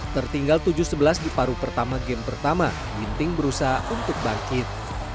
tertinggal tujuh sebelas di paru pertama game pertama ginting berusaha untuk bangkit